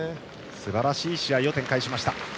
すばらしい試合を展開しました。